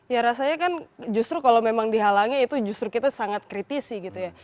ya rasanya kan justru kalau memang dihalangi itu justru kita sangat kritisi gitu ya